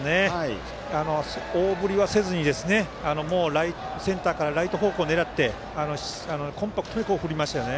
大振りはせずにセンターからライト方向を狙ってコンパクトに振りましたよね。